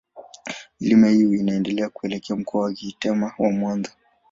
Milima hii inaendelea kuelekea Mkoa wa Geita na Mwanza.